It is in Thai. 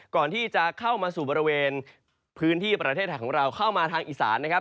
ก่อนที่จะเข้ามาสู่บริเวณพื้นที่ประเทศไทยของเราเข้ามาทางอีสานนะครับ